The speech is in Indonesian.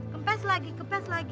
kempes lagi kempes lagi